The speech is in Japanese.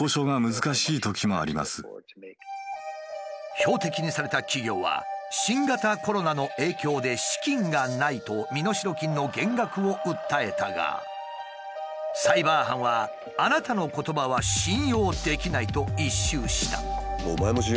標的にされた企業は「新型コロナの影響で資金がない」と身代金の減額を訴えたがサイバー犯は「あなたの言葉は信用できない」と一蹴した。